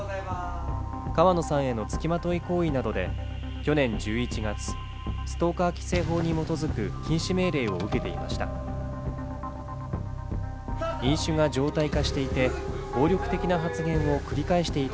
川野さんへのつきまとい行為などで去年１１月、ストーカー規制法に基づく、禁止命令を受けていました。